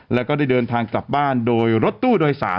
แล้วก็ได้เดินทางกลับบ้านโดยรถตู้โดยสาร